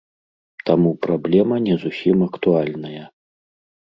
Таму праблема не зусім актуальная.